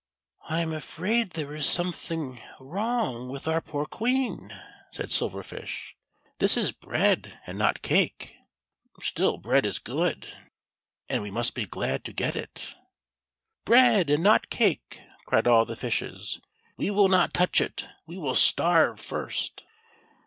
THE SILVER FISH. 33 "I am afraid there is something wrong with our poor Queen," said Silver Fish ; "this is bread and not cake — still bread is good, and we must be glad to get it." "Bread and not cake," cried all the fishes; "we will not touch it, we will starve first."